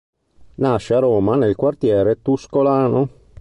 Nasce a Roma nel quartiere Tuscolano.